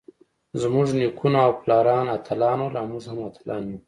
زمونږ نيکونه او پلاران اتلان ول اؤ مونږ هم اتلان يو.